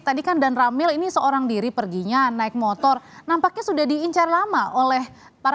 tadi kan dan ramil ini seorang diri perginya naik motor nampaknya sudah diincar lama oleh para